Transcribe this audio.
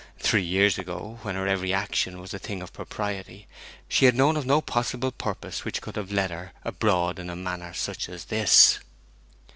Three years ago, when her every action was a thing of propriety, she had known of no possible purpose which could have led her abroad in a manner such as this.